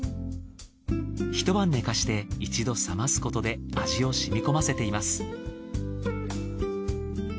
一晩寝かして一度冷ますことで味を染み込ませています。